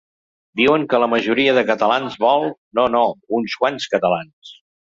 Diuen que la majoria de catalans vol… No, no, uns quants catalans.